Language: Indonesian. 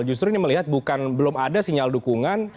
justru ini melihat bukan belum ada sinyal dukungan